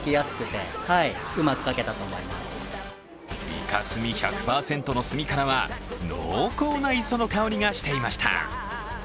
イカ墨１００％の墨からは、濃厚な磯の香りがしていました。